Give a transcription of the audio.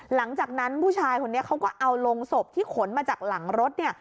หลังจากนั้นผู้ชายคนนี้เขาก็เอาลงศพที่ขนมาจากหลังรถเนี่ย